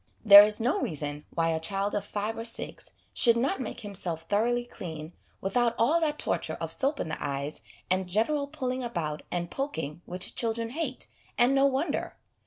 There is no reason why a child of five or six should not make himself thoroughly clean without all that torture of soap in the eyes and general pulling about and poking which children hate, and no wonder.